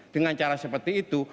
dengan cara seperti itu